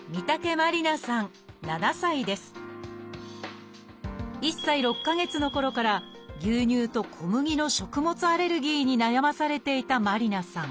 １歳６か月のころから牛乳と小麦の食物アレルギーに悩まされていた麻里凪さん。